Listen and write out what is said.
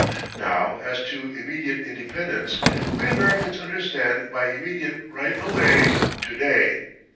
"Now as to immediate independence: we Americans understand by immediate, right away to day.